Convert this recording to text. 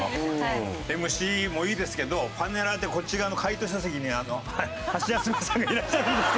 ＭＣもいいですけどパネラーでこっち側の解答者席にハシヤスメさんがいらっしゃるんですけど。